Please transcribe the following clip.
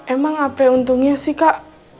emang apa untungnya sih kak